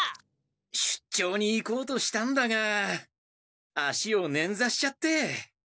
出張に行こうとしたんだが足をネンザしちゃって。